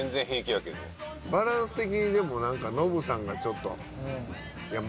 バランス的にでもノブさんがちょっと。